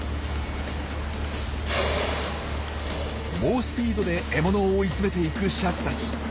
猛スピードで獲物を追い詰めていくシャチたち。